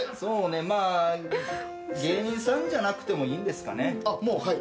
まあ芸人さんじゃなくてもいいんですかね？あっもうはい。